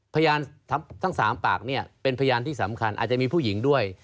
พยานทั้ง๓ปากเป็นพยานที่สำคัญอาจจะมีผู้หญิงด้วย